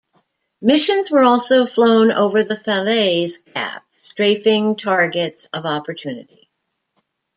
Missions were also flown over the Falaise Gap, strafing targets of opportunity.